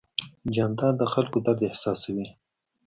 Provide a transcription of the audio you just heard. جانداد د خلکو درد احساسوي.